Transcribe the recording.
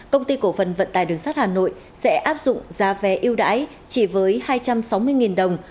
công ty cổ phần vận tải đường sát hà nội sẽ áp dụng giá vé yêu đáy chỉ với hai trăm sáu mươi đồng